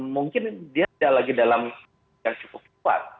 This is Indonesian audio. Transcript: mungkin dia tidak lagi dalam yang cukup kuat